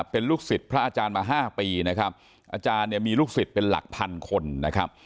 เป็นลูกศิษย์พระอาจารย์มา๕ปีนะครับอาจารย์เนี่ยมีลูกศิษย์เป็นหลักพันคนนะครับ